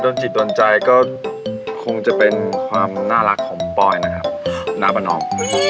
จิตโดนใจก็คงจะเป็นความน่ารักของปอยนะครับน้าประนอม